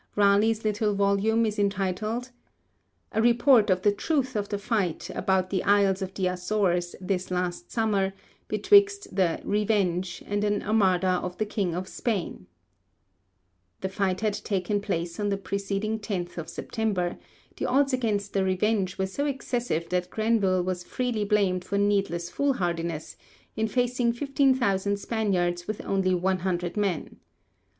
Raleigh's little volume is entitled: _A Report of the Truth of the Fight about the Iles of the Açores this last Sommer betwixt the 'Reuenge' and an Armada of the King of Spaine_. The fight had taken place on the preceding 10th of September; the odds against the 'Revenge' were so excessive that Grenville was freely blamed for needless foolhardiness, in facing 15,000 Spaniards with only 100 men.